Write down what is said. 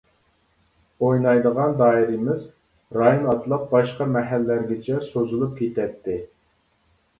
ئوينايدىغان دائىرىمىز رايون ئاتلاپ باشقا مەھەللىلەرگىچە سوزۇلۇپ كېتەتتى.